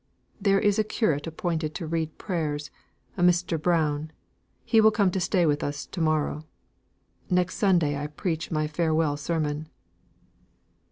There is a curate appointed to read prayers a Mr. Brown. He will come to stay with us to morrow. Next Sunday I preach my farewell sermon."